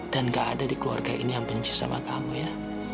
dan nggak ada di keluarga ini yang benci sama kamu ya